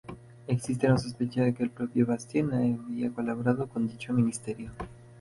Existe la sospecha que el propio Bastian había colaborado con dicho Ministerio.